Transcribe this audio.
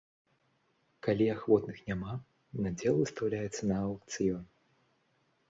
Калі ахвотных няма, надзел выстаўляецца на аўкцыён.